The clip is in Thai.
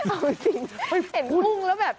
เอาจริงมันเห็นกุ้งแล้วแบบ